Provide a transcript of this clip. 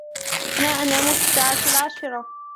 أنا أنام في الساعة العاشرة.